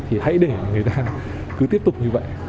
hãy để người ta cứ tiếp tục như vậy